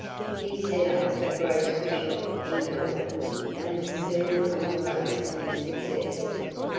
He set up a grocery shop in Melbourne, and was soon on the road to success.